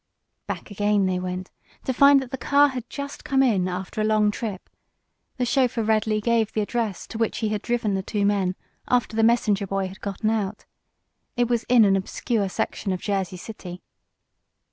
Back again they went, to find that the car had just come in, after a long trip. The chauffeur readily gave the address to which he had driven the two men, after the messenger boy had gotten out. It was in an obscure section of Jersey City.